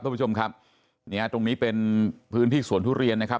คุณผู้ชมครับเนี่ยตรงนี้เป็นพื้นที่สวนทุเรียนนะครับ